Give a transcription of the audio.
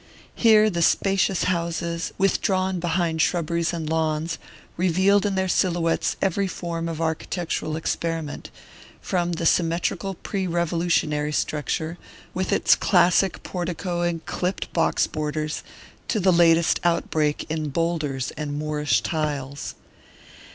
Here the spacious houses, withdrawn behind shrubberies and lawns, revealed in their silhouettes every form of architectural experiment, from the symmetrical pre Revolutionary structure, with its classic portico and clipped box borders, to the latest outbreak in boulders and Moorish tiles.